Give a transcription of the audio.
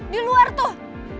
di luar tuh